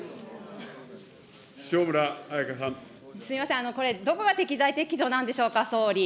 すみません、これ、どこが適材適所なんでしょうか、総理。